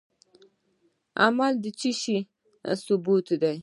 عمل د څه شي ثبوت دی؟